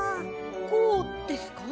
こうですか？